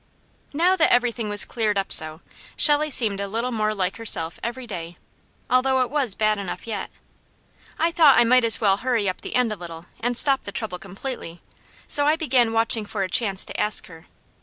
Now that everything was cleared up so, Shelley seemed a little more like herself every day, although it was bad enough yet; I thought I might as well hurry up the end a little, and stop the trouble completely, so I began watching for a chance to ask her.